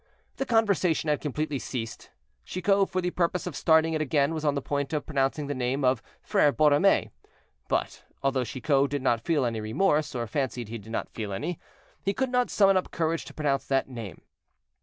The conversation had completely ceased. Chicot, for the purpose of starting it again, was on the point of pronouncing the name of Frere Borromée; but, although Chicot did not feel any remorse, or fancied he did not feel any, he could not summon up courage to pronounce that name.